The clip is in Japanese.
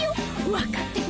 わかってる！